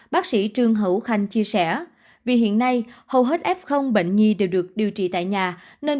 bác sĩ trương hữu khanh chia sẻ vì hiện nay hầu hết f bệnh nhi đều được điều trị tại nhà nên